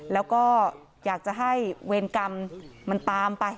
แล้วก็อยากจะให้เวรกรรมมันตามไป